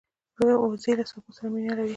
وزې له سبو سره مینه لري